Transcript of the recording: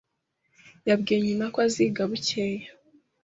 Yabwiye nyina ko aziga bukeye.